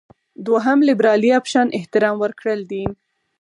دوهم لېبرالي اپشن احترام ورکړل دي.